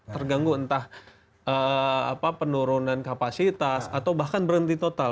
terganggu entah penurunan kapasitas atau bahkan berhenti total